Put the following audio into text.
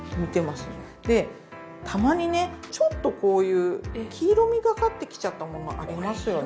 でたまにねちょっとこういう黄色味がかってきちゃったものありますよね。